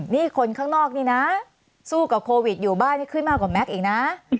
นี่คนข้างนอกนี่นะสู้กับโควิดอยู่บ้านให้ขึ้นมากกว่าแม็กซ์อีกนะ